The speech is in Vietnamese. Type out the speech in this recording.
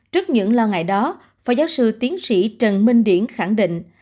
trước những lo ngại đó phó giáo sư tiến sĩ trần minh điển khẳng định